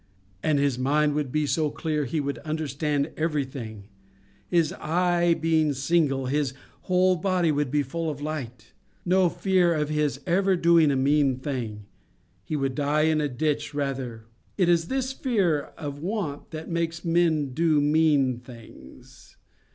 And his mind would be so clear he would understand everything His eye being single, his whole body would be full of light. No fear of his ever doing a mean thing. He would die in a ditch, rather. It is this fear of want that makes men do mean things.